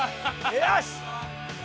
よし！